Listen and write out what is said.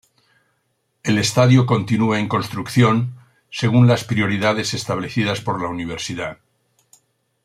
El estadio continúa en construcción, según las prioridades establecidas por la Universidad.